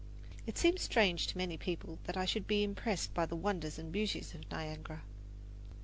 It seems strange to many people that I should be impressed by the wonders and beauties of Niagara.